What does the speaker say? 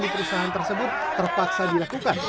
di perusahaan tersebut terpaksa dilakukan